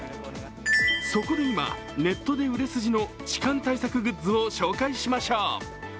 そこで今、ネットで売れ筋の痴漢対策グッズを紹介しましょう。